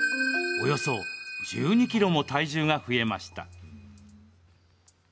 およそ１２ｋｇも体重が増えました。